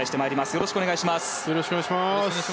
よろしくお願いします。